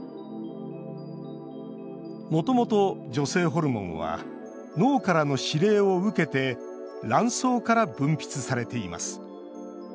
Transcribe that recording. もともと、女性ホルモンは脳からの指令を受けて卵巣から分泌されています。